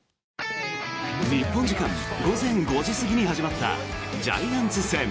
日本時間午前５時過ぎに始まったジャイアンツ戦。